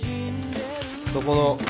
そこの。